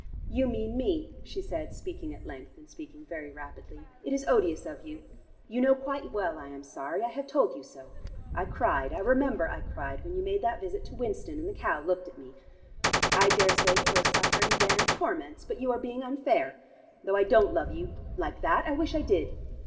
"You mean me," she said, speaking at length, and speaking very rapidly. "It is odious of you. You know quite well I am sorry: I have told you so. I cried: I remember I cried when you made that visit to Winston, and the cow looked at me. I daresay you are suffering damned torments, but you are being unfair. Though I don't love you like that, I wish I did.